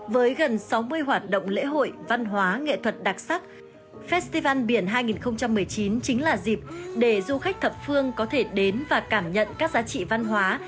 với gần sáu mươi hoạt động lễ hội văn hóa nghệ thuật đặc sắc festival biển hai nghìn một mươi chín chính là dịp để du khách thập phương có thể đến và cảm nhận các giá trị văn hóa